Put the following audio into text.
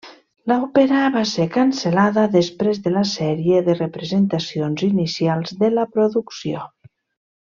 L'òpera va ser cancel·lada després de la sèrie de representacions inicials de la producció.